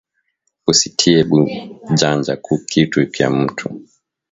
Usi tiye bu janja ku kitu kya mutu